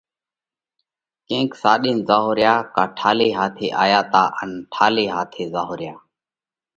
ڪينڪ ساڏينَ زائونه ريا ڪا ٺالي هاٿي آيا تا ان ٺالي هاٿي زائونه ريا؟